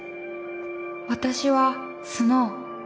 私はスノウ。